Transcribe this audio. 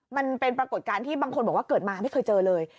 มันเป็นปรากฏการณ์ที่บางคนบอกว่าเกิดมาไม่เคยเจอเลย